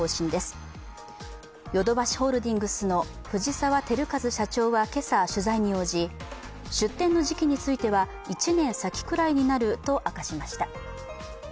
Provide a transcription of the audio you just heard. ホールディングスの藤沢昭和社長は今朝、取材に応じ出店の時期については１年先くらいになると明かしました。